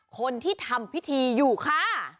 คนที่ทำพิธีอยู่ค่ะ